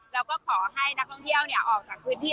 แล้วก็ขอให้นักท่องเที่ยวออกจากพื้นที่